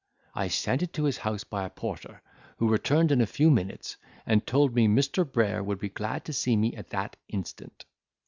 I sent it to his house by a porter, who returned in a few minutes, and told me Mr. Brayer would be glad to see me at that instant.